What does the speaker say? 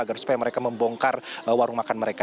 agar supaya mereka membongkar warung makan mereka